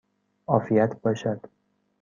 عافیت باشد!